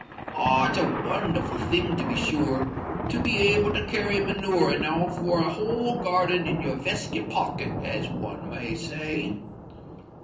Ah! it's a wonderful thing, to be sure, to be able to carry manure enow for a whole garden in your veskit pocket, as one may say."